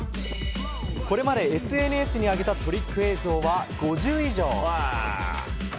これまでＳＮＳに上げたトリック映像は５０以上。